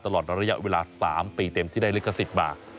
ตลอดระยะเวลา๓ปีเต็มที่ได้ลิขสิทธิ์มา